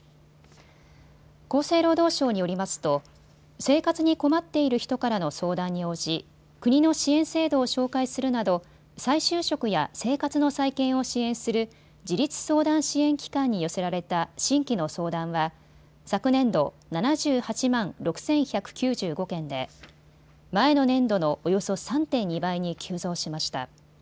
厚生労働省によりますと生活に困っている人からの相談に応じ、国の支援制度を紹介するなど再就職や生活の再建を支援する自立相談支援機関に寄せられた新規の相談は昨年度、７８万６１９５件で前の年度のおよそ３．２倍に急増しました。